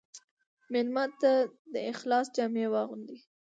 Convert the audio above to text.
مېلمه ته د اخلاص جامې واغوندې.